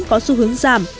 có xu hướng giảm